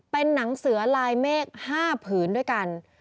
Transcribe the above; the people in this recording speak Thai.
เป็นหนังเสือลายเมฆ๕ผืนด้วยกัน